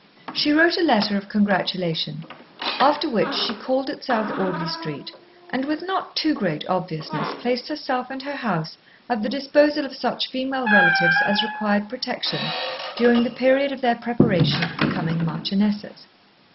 She wrote a letter of congratulation, after which she called at South Audley Street, and with not too great obviousness placed herself and her house at the disposal of such female relatives as required protection during the period of their preparation for becoming marchionesses.